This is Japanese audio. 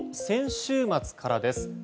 先週末からです。